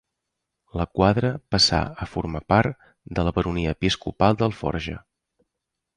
La Quadra passà a formar part de la baronia episcopal d'Alforja.